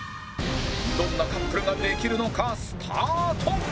どんなカップルができるのかスタート！